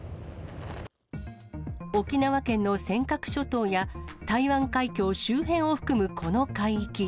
沖縄県の尖閣諸島や、台湾海峡周辺を含むこの海域。